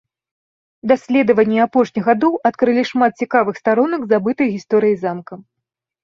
Даследаванні апошніх гадоў адкрылі шмат цікавых старонак забытай гісторыі замка.